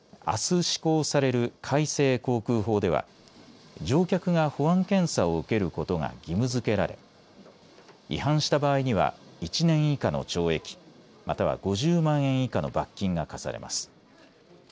あす施行される改正航空法では乗客が保安検査を受けることが義務付けられ違反した場合には１年以下の懲役または５０万円以下の罰金が課されます。